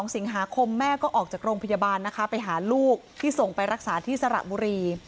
๒สิงหาคมแม่ก็ออกจากโรงพยาบาลนะคะไปหาลูกที่ส่งไปรักษาที่สระบุรี